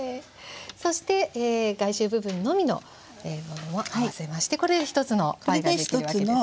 そして外周部分のみのものも合わせましてこれで１つのパイができるわけですね。